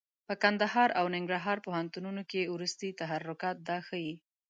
په کندهار او ننګرهار پوهنتونونو کې وروستي تحرکات دا ښيي.